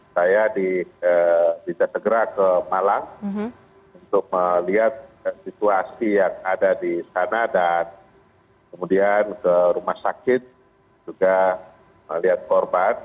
saya diminta segera ke malang untuk melihat situasi yang ada di sana dan kemudian ke rumah sakit juga melihat korban